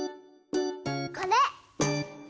これ！